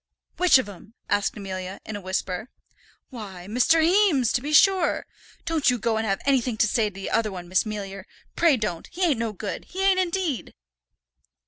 "Which of 'em?" asked Amelia, in a whisper. "Why, Mr. Heames, to be sure. Don't you go and have anythink to say to the other one, Miss Mealyer, pray don't; he ain't no good; he ain't indeed."